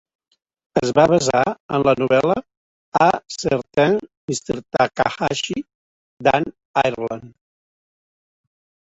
Es va basar en la novel·la "A Certain Mr. Takahashi", d'Ann Ireland.